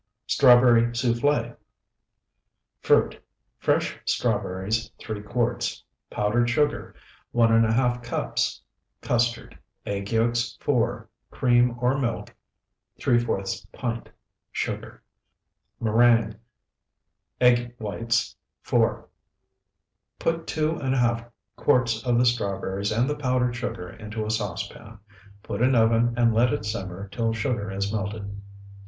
STRAWBERRY SOUFFLE Fruit. Fresh strawberries, 3 quarts. Powdered sugar, 1½ cups. Custard. Egg yolks, 4. Cream or milk, ¾ pint. Sugar. Meringue. Egg whites, 4. Put two and a half quarts of the strawberries and the powdered sugar into a saucepan. Put in oven and let it simmer till sugar is melted.